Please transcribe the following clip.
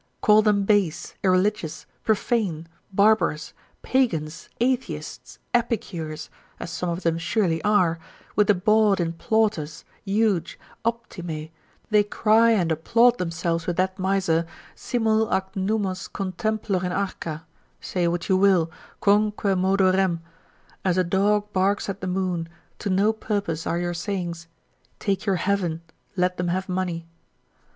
Call them base, irreligious, profane, barbarous, pagans, atheists, epicures, (as some of them surely are) with the bawd in Plautus, Euge, optime, they cry and applaud themselves with that miser, simul ac nummos contemplor in arca: say what you will, quocunque modo rem: as a dog barks at the moon, to no purpose are your sayings: Take your heaven, let them have money.